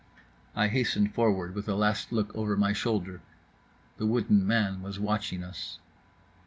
I hastened forward, with a last look over my shoulder … the wooden man was watching us.